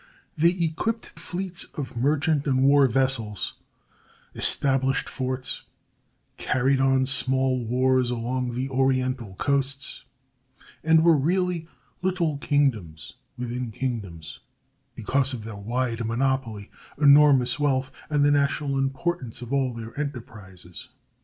They equipped fleets of merchant and war vessels, established forts, carried on small wars along the Oriental coasts, and were really little kingdoms within kingdoms, because of their wide monopoly, enormous wealth, and the national importance of all their enterprises.